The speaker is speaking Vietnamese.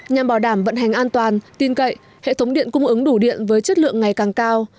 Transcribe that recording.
nhằm bảo đảm vận hành an toàn tin cậy hệ thống điện cung ứng đủ điện với chất lượng ngày càng cao